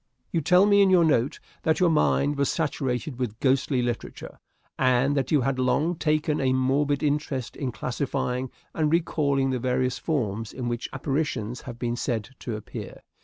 You tell me in your note that your mind was saturated with ghostly literature, and that you had long taken a morbid interest in classifying and recalling the various forms in which apparitions have been said to appear.